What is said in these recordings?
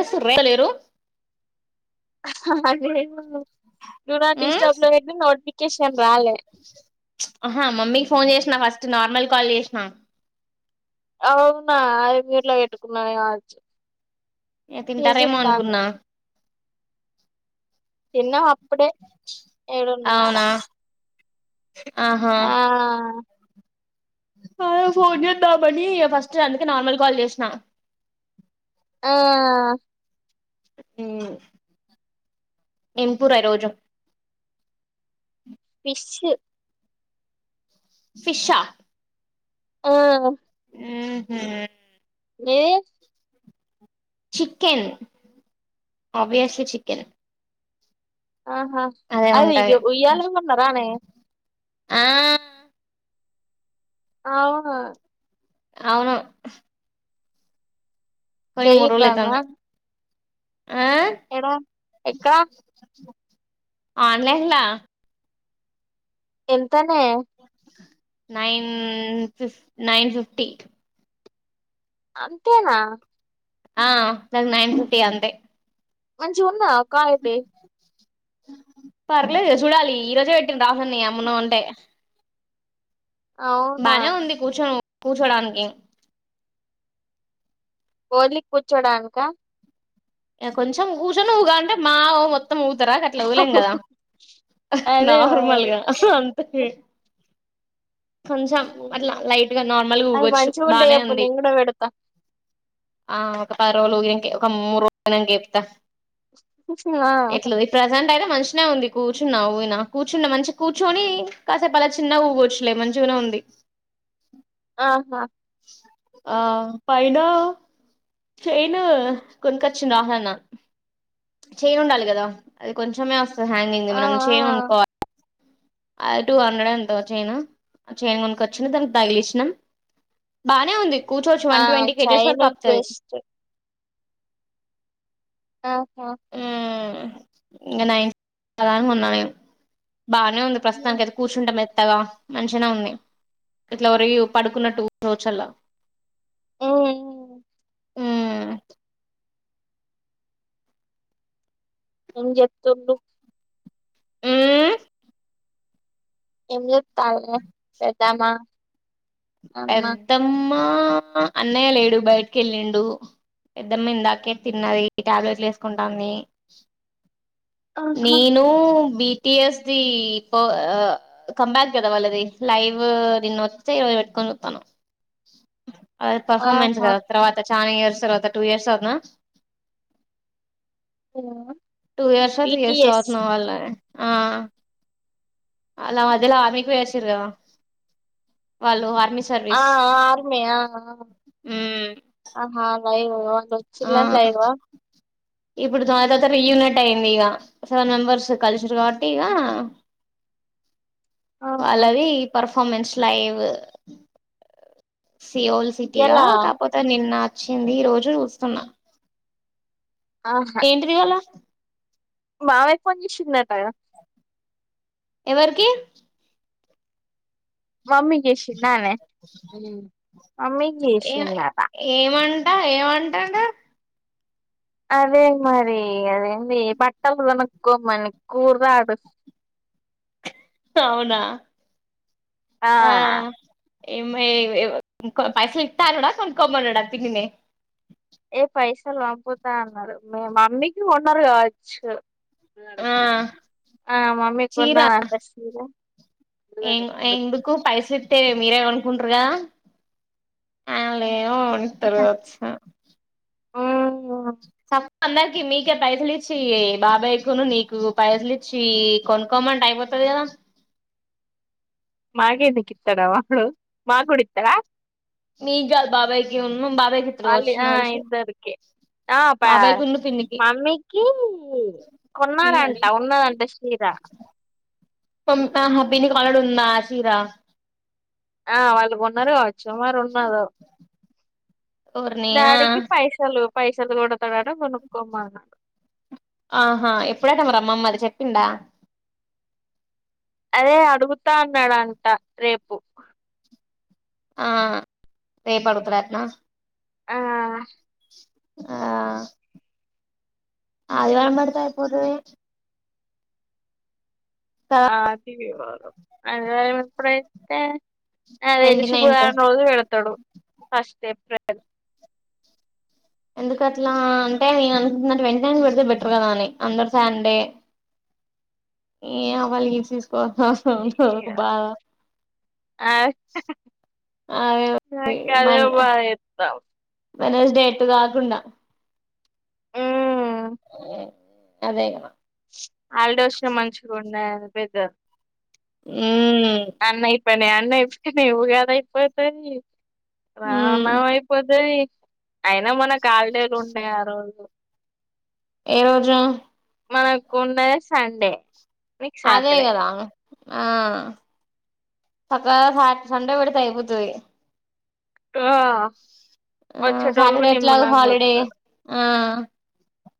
Yes రేలలేరు హహాహా లేదు డునాట్ ఉమ్ డిస్టప్లో పెట్టిన నోటిఫికేషన్ రాలే. ఆహా మమ్మీకి ఫోన్ చేసినా ఫస్ట్ నార్మల్ కాల్ జేసినం అవునా అది మీ ఇంట్లో పెటుకున్నానే ఆచ్చ నే తింటారేమో అనుకున్నా. తిన్నాం అప్పుడే ఏడున్నార అవునా ఆహా ఆ అదే ఫోన్ చేద్దామని ఫస్ట్ అందుకే నార్మల్ కాల్ చేసిన ఆ ఉమ్మ్ ఏం కూర ఈరోజు ఫిషూ ఫిష్ ఆ ఆ [unintelligible] ఏది చికెన్ అబ్వియోస్లీ చికెన్ ఆహా అదే అది ఉంటది ఇ ఉయ్యాల ఊగుకుంటూన్నారానే ఆ అవును అవును కొనీ కేయు మూడ్రోజులైతాంది ఏడా ఎక్క ఆన్లైన్ లా ఎంతనే నైన్ ఫిప్ నైన్ ఫిఫ్టీ అంతేనా ఆ దానికి నైన్ ఫిఫ్టీ అంతే మంచిగుందా కాయ్ ఒప్పీ పర్లేదు ఇహ చూడాలి ఈ రోజే ఎట్టిన రాహుల్ ని అమ్మను అంటే అవునా బానే ఉంది కూర్చొను కూర్చోడానికి ఓన్లీ కూర్చోడానిక యా కొంచెం కూచొనిఉగాలంటే మావ మొత్ మొత్తం ఊగతర అట్లా ఊగలేం కదా అదే నార్మల్గా అంతకే మరి కొంచం అట్లా లైట్గా నార్మల్ గా అది ఊగొచ్చు మంచిగుంటే బానే చెప్పు ఉంది. నేను కూడా పెడతా ఆ ఒక పదిరోజులు వుగనీకే ఒక మూడు రోజులు ఐనాంక చెప్తా ఆ ఎట్లఇది ప్రజెంట్ అయితే మనిషి [unintelligible] ఉంది కూర్చున్నవు కూర్చున్న మనిషి కూర్చొని కాసేపు అలా చిన్నగ ఊగొచ్చు. లే మంచిగనే ఉంది ఆ హా ఆ పైనా చెయిను కొనుకోచ్చింది ఆమె నా చేయిన్ ఉండాలి కదా అది కొంచమే వస్తది హ్యాంగింగ్ ఆ మనం చేన్ ఆ కొనుకోవాలి. అ టూ హండ్రెడ్ ఎంతో చైను, చైన్ కొనుకొచ్చిన దానికి తగిలిచ్చినా బానే ఉంది కూర్చోచ్చు ఆ వన్ ట్వంటీ కేజెస్ చైన్ వరకు ఆపుతది. బెస్ట్ ఆ హా ఇంకా నైన్ నికి [unintelligible] కొన్నా నేను బానే ఉంది ఉమ్ ప్రస్తుతానికైతే కూర్చుంటామ్ మేత్ త్తగా మంచినే ఉంది ఇట్లా వరిగి పడుకున్నట్టు కూర్చోల్లా. [inaudible] ఉ ఎమ్ చేత్తుండు ఎమ్ చేత్ తామే పెద్దామా పెద్దమ్మ అన్నయ్య లేడు బయటికి వెళ్ళిండు పెద్దమ్మ ఇందాకే తిన్నది టాబ్లెట్లు వేసుకుంటాంది. ఆహా నను B T S the comeback కదా వాళ్ళది లైవ్ [unintelligible] కాలుత్తను అ పర్ఫార్మెన్స్ ఆహా కదా తర్వాత చ్ చానా ఇయర్స్ తర్వాత టూ ఇయర్స్ తర్వాతనా టూ ఇయర్సా త్రీ ఇయర్సా బిటిఎస్ అవుతున్నా వాళ్ళని ఆ అలా దల ఆమెకి వసి వాళ్ళు ఆర్మీ ఆ సర్వీస్ ఆ ఆర్మీ ఆ ఆ మ్మ్ ఆహా గాయిగివో ఆ వచ్చిన్ల లైవా ఇప్పుడు చాలా తరువత రి యూనిట్ అయింది ఇగ సెవెన్ మెంబర్స్ కలిసిండ్రు కాబట్టి ఇగా [inaudible] ఆహా వాళ్ళది పర్ఫార్మెన్స్ లైవ్ సియోల్ సిటీలా ఎలా కాకపోతే నిన్న వచ్చింది ఈ రోజు చూస్తున్నా. ఏంటిది ఇవాళ మాామయ్యాకు ఫోన్ చేసిందట కదా ఎవరికి మమ్మీకి చేసిందానే మమ్మీకి ఏ చేసిండట ఏమంట్ ట ఏమంటాడు అదే మరి అదేంది బట్టలుకొనుకోమని కూరదడు అవునా ఆ ఏమ పైసా నితా రడా కొంకమడా పిే ఏ పైసలు పంపుతా అన్నారు మీ మమ్మీకి కొన్నారు కావచ్చు. ఆ ఆ మమ్మీ కి గున్నా [unintelligible] ఎంగ్ ఎందుకు పైసా ఇస్తతే మీరే కొనుకుంటురుగా ఆ లే నోన్ త్వరగా వచ్చిన ఇగ అందరికి మీకే పైసలిచ్చి బాబాయికును నీకు పైసలిచ్చి కొనుకోమంటే అయిపోత్ క్కదా [unintelligible] మాగేందుకి ఇస్తాడు వాడు మాగుడ ఇత్తడా మీ కాదు బాబాయికిను బాబాయికి ఇత్తుడు వాళ్ళు ఆ నాకు తెలిసి ఇద్దరికి ఆ ప్య బాబాయ్కున్ను పిన్నికి మమ్మీకి కొన్నారంట ఉన్నదంట సీరా [inaudible] పమ్ యా మా పిన్నికి ఆల్రెడీ ఉందా చీరా ఆ వాళ్ళు కొన్నారు కావచ్చు మరి ఉన్నారో ఓర్ని ఆ డాడీకి పైసాలు పైసలు కూడా ఆహా ఎప్పుడట మరి అమ్మమ్మ అది చెప్పిందా అదే అడుగుతా అన్నాడంట రేపు ఆ రేపడుగుతుడటన ఆ ఆ ఆదివారం పెడితే అయిపోతది తర్వాత ఆ తీి అ ఇప్పుడైతే [unintelligible] నాకు ట్వంటీ తెలిసి నైన్త్ భుధవారం రోజు పెడతడు ఫస్ట్ ఏప్రిల్ ఎందుకు అట్లా అంటే నేను అనుకుంటున్నా ట్వంటీ నైన్ పెడితే బెటర్ కదా అని అందరు సండే ఏ వాలిగి తీసుకో ఉంట ఒక బాగా [unintelligible] ఆ అదే కదే బా ఎత్తాం [unintelligible] వెనీస్ డే ఎటు కాకుండ ఉమ్ అదే కద హాలి డేస్లు మంచిగా ఉన్నాయి పెద్ద ఉం పయినా [unintelligible] అన్న అయిపోయినా ఉగాద అయిపోతాది మ్మ్ రాణం అయిపోతది అయినా మనకు హాలీ డేలు ఉన్నాయి ఆ రోజు ఏ రోజు మనక్కు ఉండే సండే మీకు సాటర్డే అదేగదా ఆ సక్కగా సా సండే పెడితే అయిపోతది ఆ ఆ సాటర్డే ఎట్లాగా హాలిడే వస్తారు ఆ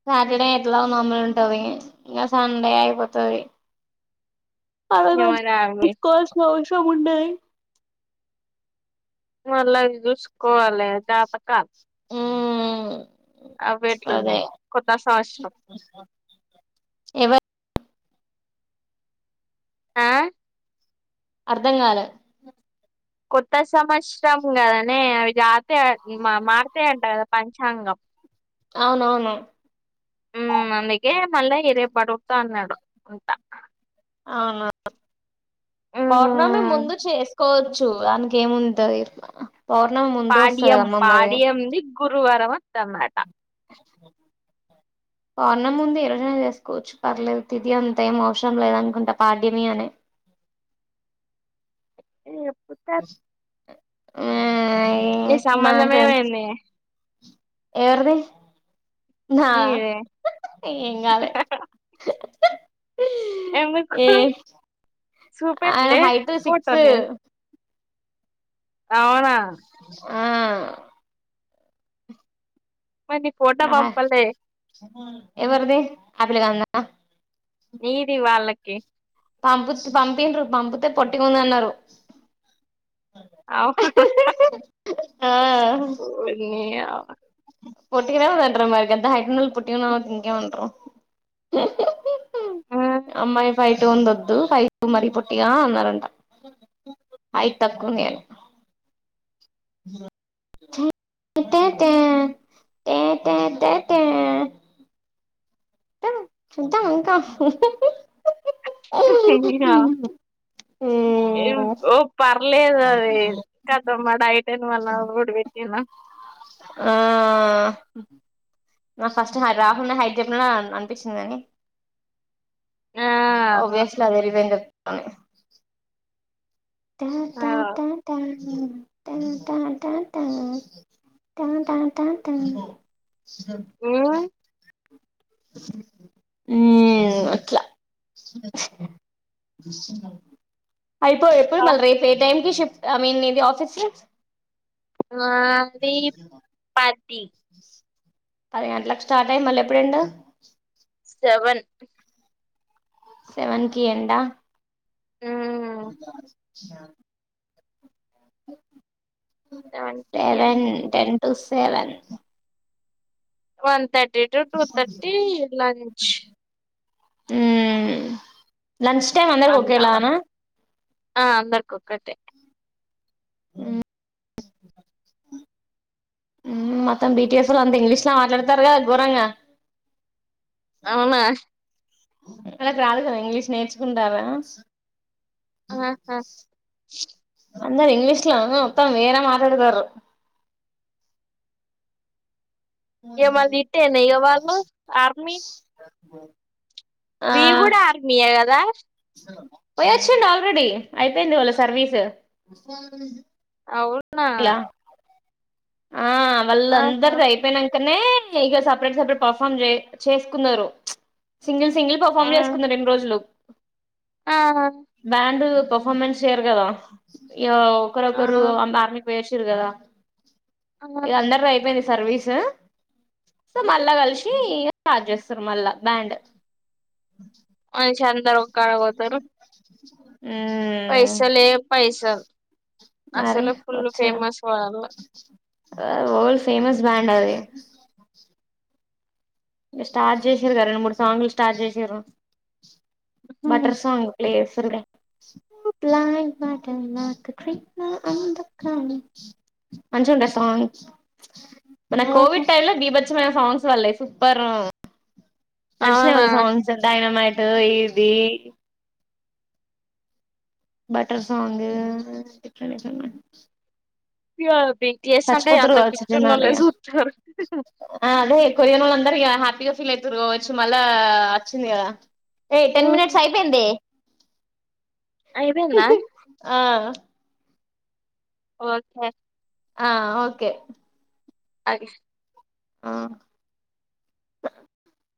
సాటర్డే ఎట్లా మాములు ఉంటది ఇంకా సండే అయిపోతది పాల నిమ్మలావి తీకల్స స ఉన్నాయి [unintelligible] మళ్ళా చూసుకోవాలి జాతకాలు [unintelligible] ఉం అదే ఎట్లున్నాయి కొత్త సంవత్సరం ఎవరి ఆ అర్ధం గాల కొత్త సంవత్సరం కదనే అవి గాతే మారతయి అంట కదా పంచాంగం అవునవును ఉం అందుకే మళ్ళా ఇగ రేపు అటోత్త అన్నాడు అంటా అవునా పౌర్ణమి ఉమ్ ముందు చేసుకోవ చూడ్డానికి ఏముంతది పౌర్ణం ముందు వస్తది పాడ్యం కదమ్మా మరి పాడ్యంది గురువారం వత్తమాట పౌర్ణం ముందు ఏ రోజైన చేసుకోవచ్చు పర్లేదు తిది అంతే ఏం అవసరం లేదనుకుంటా పాడ్యమి అని ఏ ఆ నీ సంబంధం నవ [unintelligible] ఏమైంది ఎవరది నా నీదే ఏం కాలే ఎందుకు ఏ ఆయన చూపెట్లే హైట్ సిక్స్ ఫోటోని అవునా ఆ మరి నీ ఫోటో య హా పంపలే ఎవరిది ఆ పిలగానిధ నీది వాళ్ళకి పంపుత పంపిన్రు పంపితే పొట్టుకుందన్నారు అ పోన్న ఆ [unintelligible] పటికనేంట మా ఎంత హైటల్ పటి త ఇంకాేండ [unintelligible] అమ్మాయి ఫై టూ ఉందొద్దు ఫై టూ మరీ పొట్టిగా అన్నారంట హైట్ తక్కువే తట టటట టటటా చూద్దాం ఇంకా ఎం ఓ పర్లేదు అది కతమ్ [unintelligible] డైట్ అని మళ నోడ్ బేనా [unintelligible] ఆ నాకు ఫస్ట్ రాహుల్ హైట్ చెప్పిన అనిపిస్తుందని ఆ అబ్వియస్లీ అదిరిపొయ్యింది అని చెప్పాలి ట ఆ ట ట ట టటట టటటాటా మ్మ్ హ్మ్ అట్లా అయిపో ఎప్పుడు మళ్ళ రేపు ఏ టైమ్ కి షిఫ్ట్ ఐ మీన్ ఇది ఆఫీస్ కి అది పది పది గంటలకు స్టార్ట్ అయ్యి మళ్ళీ ఎప్పుడు ఎండ్ సెవెన్ సెవన్ కి ఎండా మ్మ్ అ [unintelligible] సెవెన్ కి ఇయ్యండి seven ten to seven one thirty to two thirty lunch lunch time అందరికీ వన్ అవర్ ఓకేలానా ఆ అందరికి ఒక్కటే ఆ మొత్తం బీటిఎస్ లో అంత ఇంగ్లీష్ లో మాట్లాడతారు కదా ఘోరంగా అవునా వాళ్ళకి రాదు కదా ఇంగ్లీష్ నేర్చుకుంటారా ఆహా అందరు ఇంగ్లీష్ లో మొత్తం వేరే మాట్లాడతారు ఇక మళ్ళి ఇట్టేన ఇక వాళ్ళు ఆర్మీ హ్మ్ మీ కూడా ఆర్మీయే కదా పోయొచ్చిండు ఆల్రెడీ అయిపోయింది వాళ్ళ సర్వీసు అవునా ఇలా ఆ ఆహా వాళ్ళందరిది అయిపోయినాంక కనే ఇక సపరేట్ సపరేట్ పర్ఫార్మ్ చే చేసుకున్నారు సింగిల్స్ సింగిల్ ఆ పర్ఫార్మ్ చేసుకున్నారు రెండు రోజులు ఆ బ్యాండ్ పర్ఫార్మెన్స్ చేయరు కదా ఇక ఆ ఒకరొకరు అంత ఆర్మీ కి పోయచిరు కదా ఆ ఇక అందరిది అయిపోయింది సర్వీస్ సో మళ్ళా కలిసి స్టార్ట్ చేస్తారు మళ్ళా బ్యాండ్ మనిషి అందరు ఒక్కాడపోతారు మ్మ్ పైసలే పైసల్ మరి వచ్చిరా ఫేమస్ బ్యాండ్ అది స్టార్ట్ చేసిరు కద రెండు మూడు సాంగ్లు స్టార్ట్ చేసిరు ఉహు బటర్ సాంగ్ ప్లే చేస్తారు ఇక నాకు మంచిగుంద సాంగ్ మన ఉహు. కోవిడ్ టైమ్ లో బీభచ్చమైన సాంగ్స్ వల్లై సూపర్ నడిషినై అవునా వాళ్ళ సోంగ్స్ డయనమైట్ ఇదీ బట్టర్ సాంగ్ [inaudible] ప్య అచ్చిపోత్రరు కావచ్చు జనాలీగ చూత్తరు ఆ అదే కొరియానోళ్ళు అందరూ ఇగా హ్యాపీగా ఫీల్ అయితూరు కావచ్చు మళ్ళా వచ్చింది కదా ఏయ్ టెన్ మినిట్స్ అయిపోయిందే ఐపోయిందా ఆ ఓకే ఆ ఓకే ఆ ఆ